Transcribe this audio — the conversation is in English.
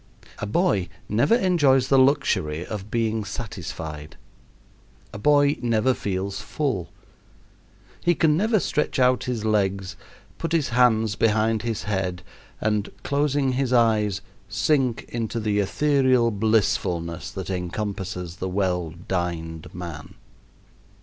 A boy never enjoys the luxury of being satisfied. A boy never feels full. He can never stretch out his legs, put his hands behind his head, and, closing his eyes, sink into the ethereal blissfulness that encompasses the well dined man.